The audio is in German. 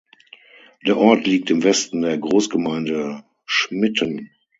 Der Ort liegt im Westen der Großgemeinde Schmitten.